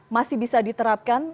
masih bisa diterapkan